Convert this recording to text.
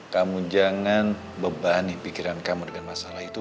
kamu jangan bebani pikiran kamu dengan masalah itu